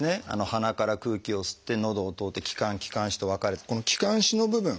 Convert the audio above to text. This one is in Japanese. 鼻から空気を吸って喉を通って気管気管支と分かれてこの気管支の部分